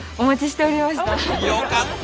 よかった。